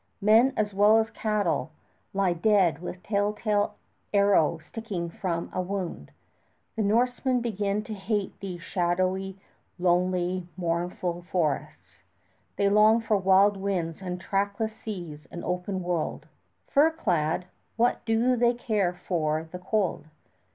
Men as well as cattle lie dead with telltale arrow sticking from a wound. The Norsemen begin to hate these shadowy, lonely, mournful forests. They long for wild winds and trackless seas and open world. Fur clad, what do they care for the cold?